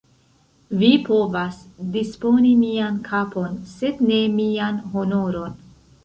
Vi povas disponi mian kapon, sed ne mian honoron!